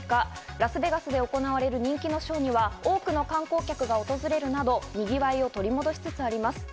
ラスベガスで行われる人気のショーには多くの観光客が訪れるなど、にぎわいを取り戻しつつあります。